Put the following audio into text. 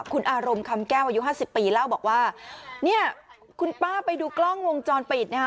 คุณอารมณ์คำแก้วอายุห้าสิบปีเล่าบอกว่าเนี่ยคุณป้าไปดูกล้องวงจรปิดนะคะ